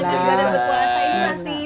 sambil lagi berada berpuasa ini pasti